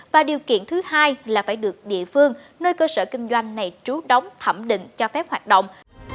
và điều kiện thứ hai là phải được địa phương nơi cơ sở kinh doanh này trú đóng thẩm định cho phép hoạt động